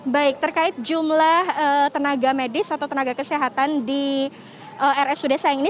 baik terkait jumlah tenaga medis atau tenaga kesehatan di rsud sayang ini